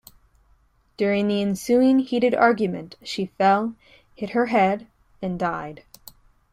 During the ensuing heated argument she fell, hit her head and died.